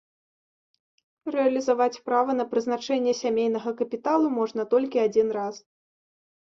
Рэалізаваць права на прызначэнне сямейнага капіталу можна толькі адзін раз.